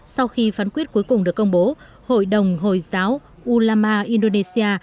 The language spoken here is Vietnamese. sau khi phán quyết cuối cùng được công bố hội đồng hồi giáo ulama indonesia